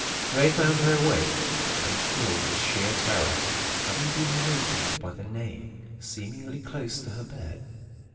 They found her awake, and ill with sheer terror, having been awakened by the neighing, seemingly close to her bed.